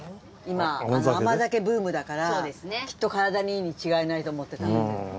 今甘酒ブームだからきっと体にいいに違いないと思って食べてる。